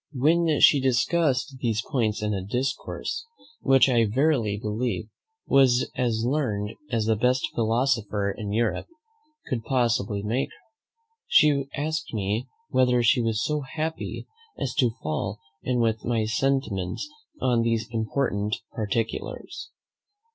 When she discussed these points in a discourse, which I verily believe was as learned as the best philosopher in Europe could possibly make, she asked me whether she was so happy as to fall in with my sentiments on these important particulars.